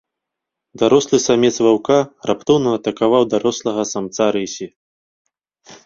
Дарослы самец ваўка раптоўна атакаваў дарослага самца рысі.